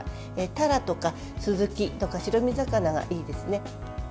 たらとかスズキとか白身魚がいいですね。